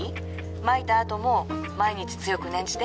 まいた後も毎日強く念じて。